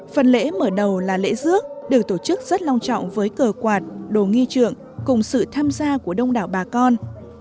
phần lễ mở đầu là lễ dước được tổ chức rất long trọng với cờ quạt đồ nghi trượng cùng sự tham gia của đông đảo bà con